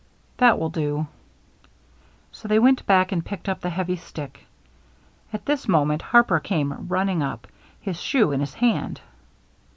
"That will do." So they went back and picked up the heavy stick. At this moment Harper came run ning up, his shoe in his hand.